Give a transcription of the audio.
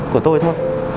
của tôi thôi